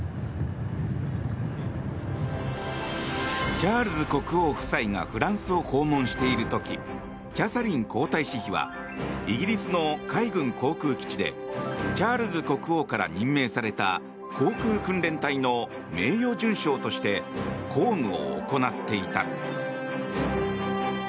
チャールズ国王夫妻がフランスを訪問している時キャサリン皇太子妃はイギリスの海軍航空基地でチャールズ国王から任命された航空訓練隊の名誉准将として公務を行っていた。